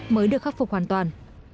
mới được khắc phục hoàn toàn